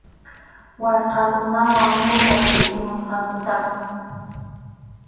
Waskhakunawan mula tʼiqimusqankutaqsi.